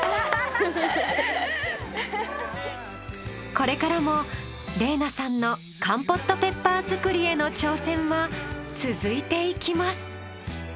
これからも澪那さんのカンポットペッパー作りへの挑戦は続いていきます。